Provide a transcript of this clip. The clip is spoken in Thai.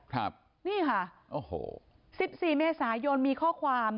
ครับนี่ค่ะโอ้โหสิบสี่เมษายนมีข้อความ